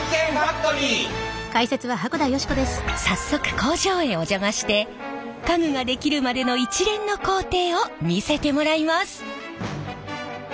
早速工場へお邪魔して家具が出来るまでの一連の工程を見せてもらいます。